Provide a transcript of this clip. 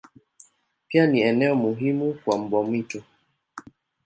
Pia ni eneo muhimu kwa mbwa mwitu.